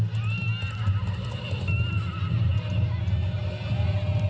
สวัสดีครับทุกคน